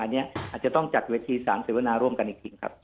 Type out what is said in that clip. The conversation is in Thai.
อันนี้อาจจะต้องจัดเวทีสารเสวนาร่วมกันจริงครับ